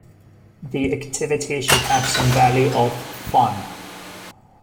The activity should have some value of "fun".